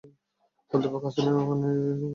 অধ্যাপক হাসিনা খানের জন্ম পুরান ঢাকার গেন্ডারিয়ায়।